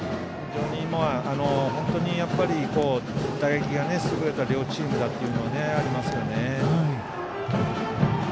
本当に打撃が優れた両チームだというのはありますよね。